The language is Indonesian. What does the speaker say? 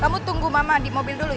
kamu tunggu mama di mobil dulu